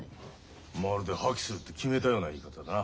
まるで破棄するって決めたような言い方だな。